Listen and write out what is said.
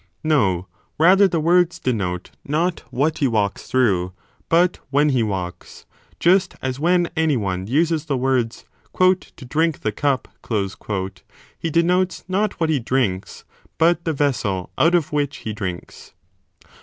No, rather the words denote not what he walks through, but when he walks ; just as when any one uses the words to drink the cup he denotes not what he drinks, but the vessel o^lt of which he drinks.